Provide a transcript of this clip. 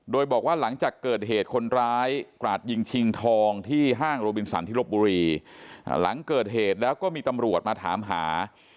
โดยบอกว่าหลังจากเกิดเหตุคนร้ายกราดยิงชิงทองที่ห้างโรบินสันที่ลบบุรีหลังเกิดเหตุแล้วก็มีตำรวจมาถามหา